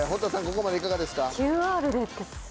ここまでいかがですか？